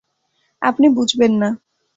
আপনি বুঝবেন না।